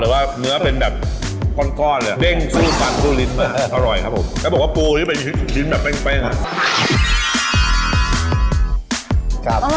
อร่อยครับผมแค่บอกว่าปูที่เป็นชิ้นแบบแป้ง